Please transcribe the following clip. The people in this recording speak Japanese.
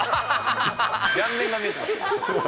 両面が見えてますよ。